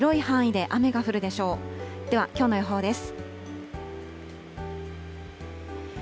では、きょうの予報です。